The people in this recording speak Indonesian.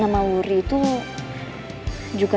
nama itu apa